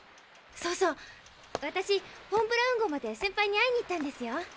そうそう私フォン・ブラウン号までセンパイに会いに行ったんですよ。